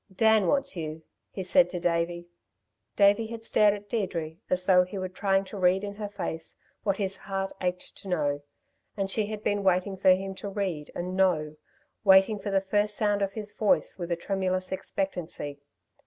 "Dan wants you," he said to Davey. Davey had stared at Deirdre as though he were trying to read in her face what his heart ached to know, and she had been waiting for him to read and know, waiting for the first sound of his voice with a tremulous expectancy.